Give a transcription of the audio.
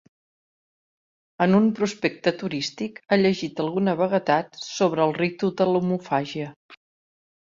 En un prospecte turístic ha llegit alguna vaguetat sobre el ritu de l'omofàgia.